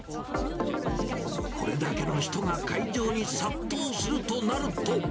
これだけの人が会場に殺到するとなると。